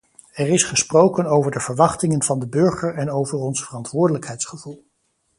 Er is gesproken over de verwachtingen van de burger en over ons verantwoordelijkheidsgevoel.